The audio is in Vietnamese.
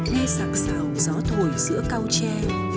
nghe sạc xào gió thổi giữa cao tre